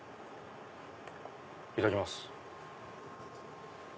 いただきます。